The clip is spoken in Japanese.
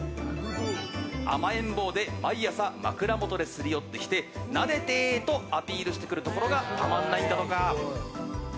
甘えん坊で毎朝、枕元ですり寄ってきてなでてとアピールしてくるところがたまんないんだとか。